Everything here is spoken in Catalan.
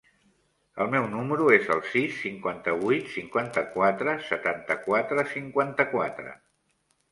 El meu número es el sis, cinquanta-vuit, cinquanta-quatre, setanta-quatre, cinquanta-quatre.